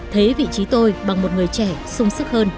thấy vị trí tôi bằng một người trẻ sung sức hơn